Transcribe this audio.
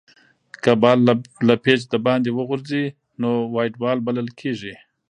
که بال له پيچ دباندي وغورځي؛ نو وایډ بال بلل کیږي.